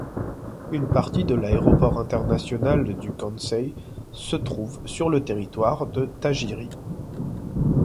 Une partie de l'aéroport international du Kansai se trouve sur le territoire de Tajiri.